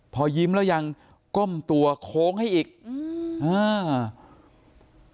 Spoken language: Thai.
พอยิ้มแล้วยังก้มตัวโค้งให้อีกอืมอ่า